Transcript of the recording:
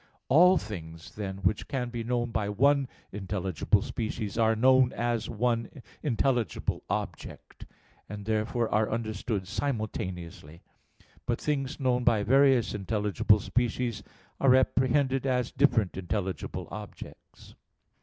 All things, then, which can be known by one intelligible species, are known as one intelligible object, and therefore are understood simultaneously. But things known by various intelligible species, are apprehended as different intelligible objects.